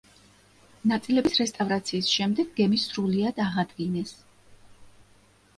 ნაწილების რესტავრაციის შემდეგ გემი სრულიად აღადგინეს.